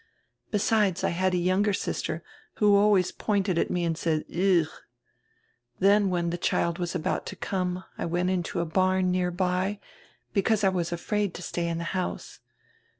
Besides, I had a younger sister, who always pointed at me and said: 'Ugh!' Then when the child was about to come I went into a barn near by, because I was afraid to stay in the house.